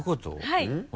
はい。